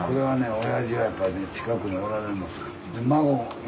おやじはやっぱね近くにおられるの。